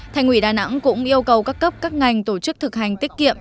thành ủy đà nẵng cũng yêu cầu các cấp các ngành tổ chức thực hành tiết kiệm